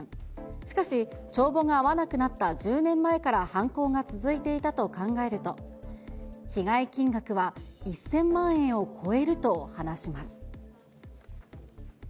しかし、帳簿が合わなくなった１０年前から犯行が続いていたと考えると、被害金額は１０００万円を超えると話します。